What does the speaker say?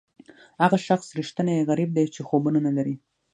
هغه شخص ریښتینی غریب دی چې خوبونه نه لري.